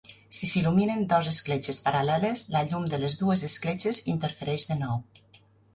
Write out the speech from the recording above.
Si s'il·luminen "dos" escletxes paral·leles, la llum de les dues escletxes interfereix de nou.